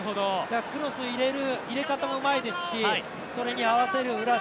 クロス入れる入れ方もうまいですしそれに合わせる古橋